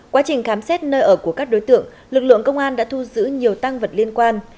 quá trình khám xét nơi ở của các đối tượng lực lượng công an đã thu giữ nhiều tăng vật liên quan